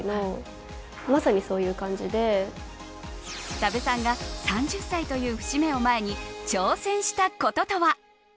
多部さんが３０歳という節目を前に挑戦した事とは。